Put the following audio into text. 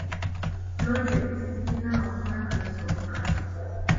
Pulojekiti zirina okuba nga zisoboka.